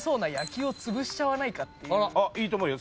いいと思うよ。